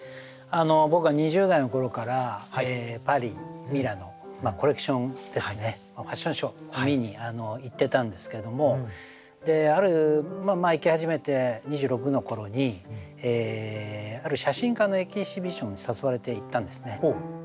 僕が２０代の頃からパリミラノコレクションですねファッションショーを見に行ってたんですけども行き始めて２６の頃にある写真家のエキシビションに誘われて行ったんですね。